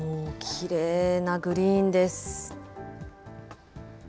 きれいなグリーンです。